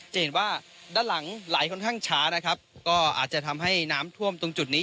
จะเห็นว่าด้านหลังไหลค่อนข้างช้านะครับก็อาจจะทำให้น้ำท่วมตรงจุดนี้